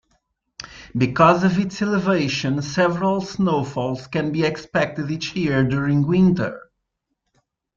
Because of its elevation, several snowfalls can be expected each year during winter.